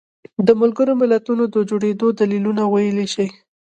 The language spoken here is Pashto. د ملګرو ملتونو د جوړېدو دلیلونه وویلی شي.